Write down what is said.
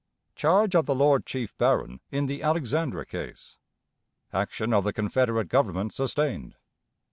Charge of the Lord Chief Baron in the Alexandra Case. Action of the Confederate Government sustained.